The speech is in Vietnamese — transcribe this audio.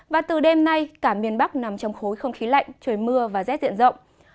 và từ đêm nay cả miền bắc nằm trong khối không khí lạnh trời mưa và rét diện rộng